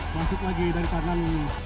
masuk lagi dari tangan